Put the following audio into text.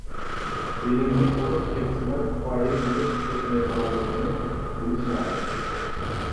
بىلىملىك بولۇپ كەتسىلا كۇپايە بولۇپ كەتمەيدىغانلىقىنى بىلىش لازىم.